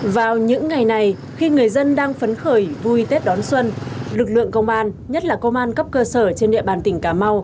vào những ngày này khi người dân đang phấn khởi vui tết đón xuân lực lượng công an nhất là công an cấp cơ sở trên địa bàn tỉnh cà mau